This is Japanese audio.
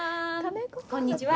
こんにちは。